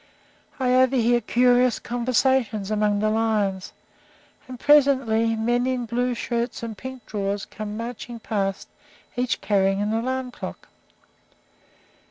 I overhear curious conversations among the lions, and presently men in blue shirts and pink drawers come marching past, each carrying an alarm clock.